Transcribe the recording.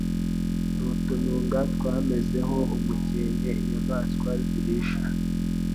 n'utununga twamezeho umukenke inyamaswa zirisha